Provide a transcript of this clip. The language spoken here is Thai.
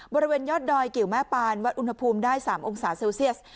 บริเวณยอดดอยกิวแม่ปานวัดอุณหภูมิได้๓องศาเซลเซียส